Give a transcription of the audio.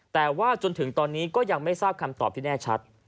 แต่ว่าจนถึงตอนนี้ก็ยังไม่ทราบคำตอบที่แน่ชัด